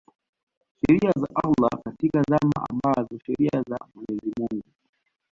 sheria za Allah katika zama ambazo sheria za Mwenyezi Mungu